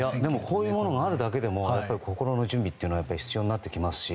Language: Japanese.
こういうものがあるだけでも、心の準備は必要になってきますし。